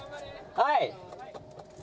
・はい！